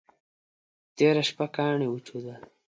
تېره شپه ګاڼي وچودل.